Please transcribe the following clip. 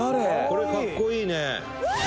これかっこいいね。